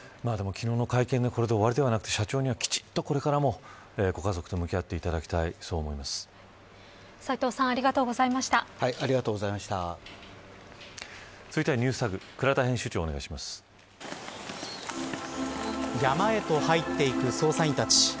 昨日の会見で終わりではなく社長には、きちんとこれからもご家族と向き合って斎藤さん続いてはＮｅｗｓＴａｇ山へと入っていく捜査員たち。